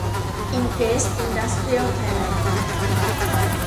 อิงเกรส อินดัสเตรียล ไทยแลนด์